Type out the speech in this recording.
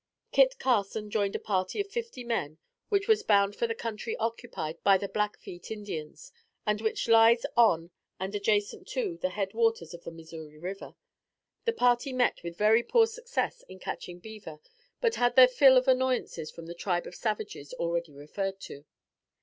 Kit Carson joined a party of fifty men which was bound for the country occupied by the Blackfeet Indians, and which lies on and adjacent to the head waters of the Missouri River. The party met with very poor success in catching beaver, but had their fill of annoyances from the tribe of savages already referred to.